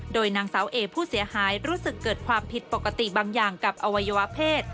โดยนางสาวเอผู้เสียหายรู้สึกเกิดความผิดปกติบางอย่างกับอวัยวะเพศ